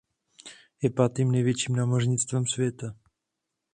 Je pátým největším námořnictvem světa.